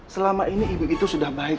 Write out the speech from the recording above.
selama ini ibu itu sudah baik